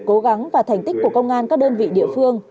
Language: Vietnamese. cố gắng và thành tích của công an các đơn vị địa phương